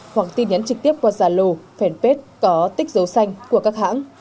hoặc tin nhắn trực tiếp qua giả lô fanpage có tích dấu xanh của các hãng